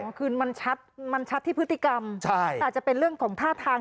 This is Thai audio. แต่คือมันชัดที่พฤติกรรมอาจจะเป็นเรื่องของท่าทาง